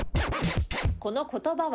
この言葉は？